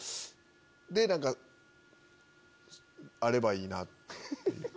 で何かあればいいなって。